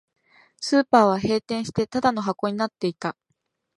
スーパーは閉店して、ただの箱になっていた